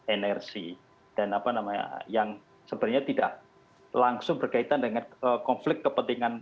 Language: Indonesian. energi dan apa namanya yang sebenarnya tidak langsung berkaitan dengan konflik kepentingan